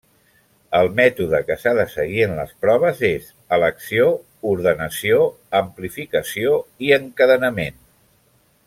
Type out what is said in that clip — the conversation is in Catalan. El mètode que s'ha de seguir en les proves és: elecció, ordenació, amplificació i encadenament.